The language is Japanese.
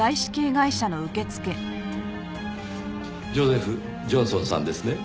ジョゼフ・ジョンソンさんですね。